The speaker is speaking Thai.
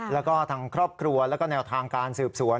แล้วก็ทางครอบครัวแล้วก็แนวทางการสืบสวน